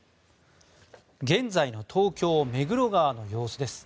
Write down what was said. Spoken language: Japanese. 現在の東京・目黒川の様子です。